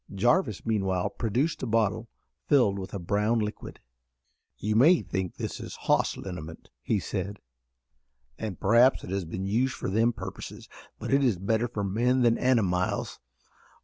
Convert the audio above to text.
Jarvis meanwhile produced a bottle filled with a brown liquid. "You may think this is hoss liniment," he said, "an' p'r'aps it has been used for them purposes, but it's better fur men than animiles.